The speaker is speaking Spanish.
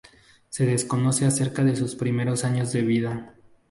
Se desconoce acerca de sus primeros años de vida.